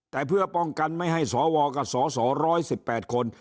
แต่เพื่อป้องกันไม่ให้สวกับสส๑๑๘คน